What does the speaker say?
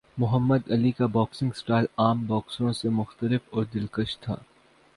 محمد Ali کا boxing style عام باکسروں سے مختلف اور دلکش تھا